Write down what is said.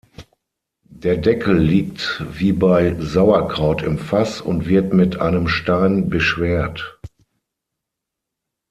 Der Deckel liegt wie bei Sauerkraut im Fass und wird mit einem Stein beschwert.